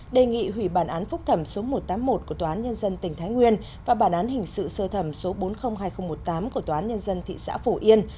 đề nghị hủy bản án phúc thẩm số một trăm tám mươi một của tòa án nhân dân tỉnh thái nguyên và bản án hình sự sơ thẩm số bốn trăm linh hai nghìn một mươi tám của tòa án nhân dân thị xã phổ yên